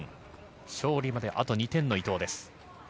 勝利まで、あと２点の伊藤です。